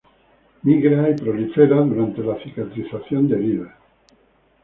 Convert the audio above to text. Migra y prolifera durante la cicatrización de heridas.